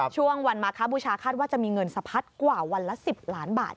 ช่วงวันมาคบูชาคาดว่าจะมีเงินสะพัดกว่าวันละ๑๐ล้านบาท